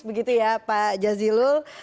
begitu ya pak jazilul